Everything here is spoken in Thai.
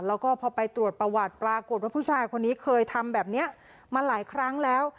แล้วก็พอไปตรวจประวัติปรากฏว่าผู้ชายคนนี้เคยทำแบบนี้มาหลายครั้งแล้ว